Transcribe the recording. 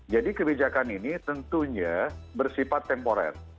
jadi kebijakan ini tentunya bersifat temporer